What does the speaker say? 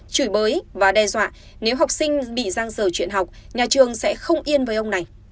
chửi bới và đe dọa nếu học sinh bị giang dở chuyện học nhà trường sẽ không yên với ông này